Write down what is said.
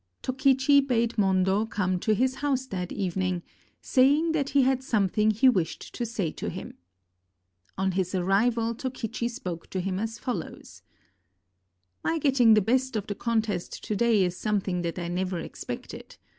Tokichi bade Mondo come to his house that evening, saying that he had something he wished to say to him. On his arrival Tokichi spoke to him as follows: "My getting the best of the contest to day is something that I never expected.